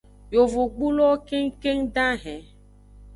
Yovogbulowo kengkeng dahen.